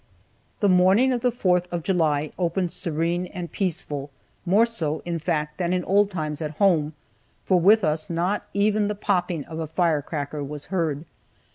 The morning of the Fourth of July opened serene and peaceful, more so, in fact, than in old times at home, for with us not even the popping of a fire cracker was heard.